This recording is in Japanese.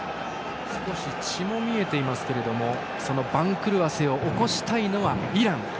少し血も見えていますがその番狂わせを起こしたいのはイラン。